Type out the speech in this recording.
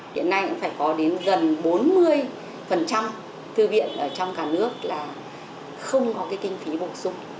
hiện nay cũng phải có đến gần bốn mươi thư viện ở trong cả nước là không có cái kinh phí bổ sung